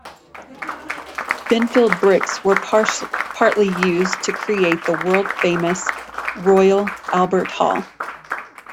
Binfield bricks were partly used to create the world-famous Royal Albert Hall.